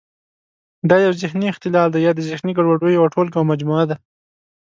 دا یو ذهني اختلال دی یا د ذهني ګډوډیو یوه ټولګه او مجموعه ده.